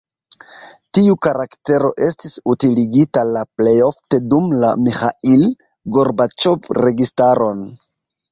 Tiu karaktero estis utiligita la plejofte dum la Miĥail Gorbaĉov registaron.